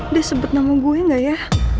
dia sebut nama gue gak ya